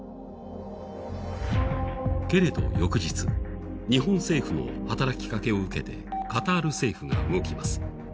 けれど翌日、日本政府の働きかけを受けてカタール政府が動きます。